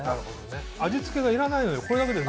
味付けがいらないのよ。